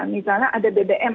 misalnya ada bbm